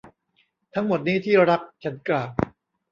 ทั้งหมดนี้ ที่รัก ฉันกล่าว